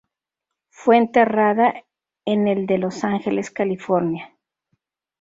Fue enterrada en el de Los Ángeles, California.